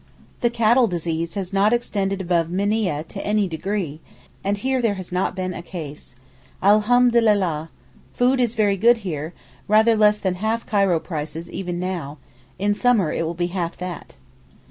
The cattle disease has not extended above Minieh to any degree, and here there has not been a case. Alhamdulillah! Food is very good here, rather less than half Cairo prices even now; in summer it will be half that.